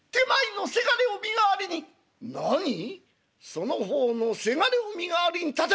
その方のせがれを身代わりに立てるか！」。